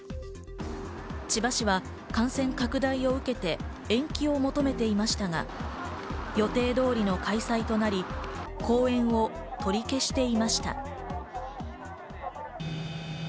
千葉市は感染拡大を受けて延期を求めていましたが、予定通りの開催となり、後援を取り消していました。